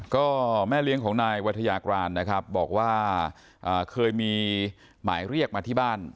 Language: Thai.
ก็แม่เลี้ยงของนายวัทยากรานนะครับบอกว่าเคยมีหมายเรียกมาที่บ้าน